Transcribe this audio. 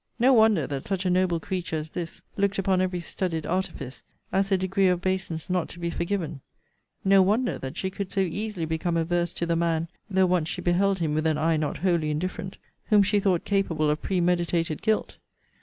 'No wonder that such a noble creature as this looked upon every studied artifice as a degree of baseness not to be forgiven: no wonder that she could so easily become averse to the man (though once she beheld him with an eye not wholly indifferent) whom she thought capable of premeditated guilt.